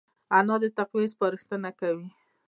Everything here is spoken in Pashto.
انا د تقوی سپارښتنه کوي